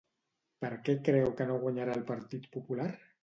Per què creu que no guanyarà el Partit Popular?